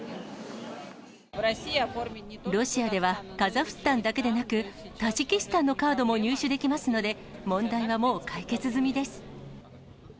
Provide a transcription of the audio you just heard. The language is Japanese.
ロシアではカザフスタンだけでなく、タジキスタンのカードも入手できますので、問題はもう解決済みです。